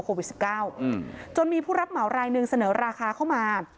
โควิด๑๙จนมีผู้รับเหมารายหนึ่งเสนอราคาเข้ามา